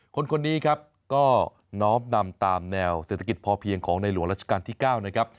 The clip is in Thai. คนนี้ครับก็น้อมนำตามแนวเศรษฐกิจพอเพียงของในหลวงราชการที่๙นะครับ